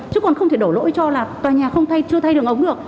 chứ còn không thể đổ lỗi cho là tòa nhà không chưa thay đường ống được